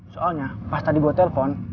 soalnya pas tadi buat telpon